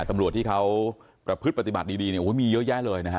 ตำรวจที่เขาประพฤติปฏิบัติดีเนี่ยมีเยอะแยะเลยนะฮะ